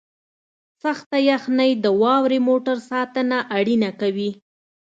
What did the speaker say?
سخته یخنۍ د واورې موټر ساتنه اړینه کوي